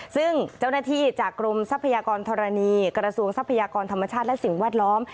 ซึ่งเจ้าหน้าที่จากกรมทรัพยากรธรณีกระทรวงทรัพยากรธรรมชาติและสิ่งแวดล้อม